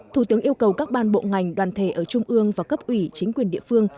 thủ tướng yêu cầu các ban bộ ngành đoàn thể ở trung ương và cấp ủy chính quyền địa phương